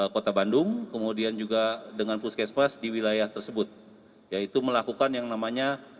kota bandung kemudian juga dengan puskesmas di wilayah tersebut yaitu melakukan yang namanya